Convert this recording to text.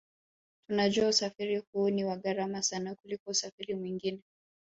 Tunajua usafiri huu ni wa gharama sana kuliko usafiri mwingine